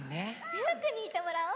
ゆうくんにひいてもらおう。